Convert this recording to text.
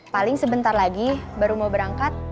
paling sebentar lagi baru mau berangkat